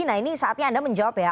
nah ini saatnya anda menjawab ya